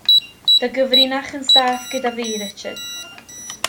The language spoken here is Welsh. Dy gyfrinach yn saff gyda fi Richard.